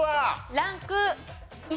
ランク１。